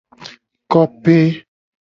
Kope.